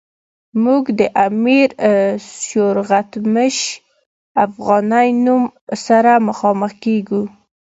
موږ د امیر سیورغتمش افغانی نوم سره مخامخ کیږو.